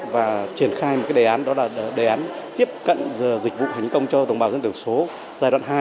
và triển khai một đề án đó là đề án tiếp cận dịch vụ hành công cho đồng bào dân tộc số giai đoạn hai